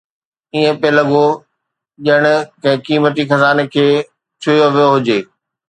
ائين پئي لڳو ڄڻ ڪنهن قيمتي خزاني کي ڇهيو ويو هجي